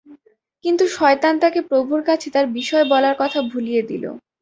কিন্তু শয়তান তাকে প্রভুর কাছে তার বিষয় বলার কথা ভুলিয়ে দিল।